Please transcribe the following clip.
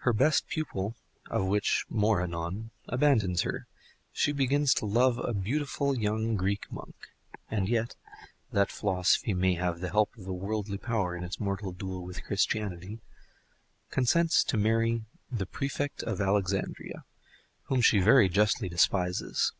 Her best pupil (of whom more anon) abandons her, she begins to love a beautiful young Greek monk, and yet (that philosophy may have the help of worldly power in its mortal duel with Christianity) consents to marry the Prefect of Alexandria, whom she very justly despises.